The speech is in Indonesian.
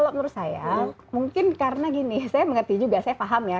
kalau menurut saya mungkin karena gini saya mengerti juga saya paham ya